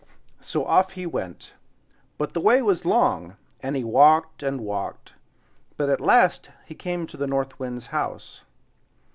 So off he went, but the way was long, and he walked and walked; but at last he came to the North Wind's house.